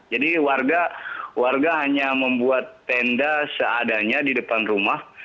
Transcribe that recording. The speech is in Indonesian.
warga hanya membuat tenda seadanya di depan rumah